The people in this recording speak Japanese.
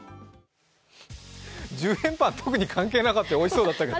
１０円パン、特に関係なかったよね、おいしそうだったけど。